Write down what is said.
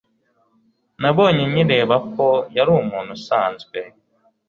Nabonye nkireba ko yari umuntu usanzwe.